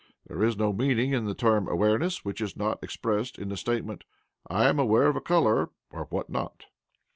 There is no meaning in the term 'awareness' which is not expressed in the statement 'I am aware of a colour (or what not).'"